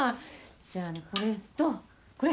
じゃあこれとこれ。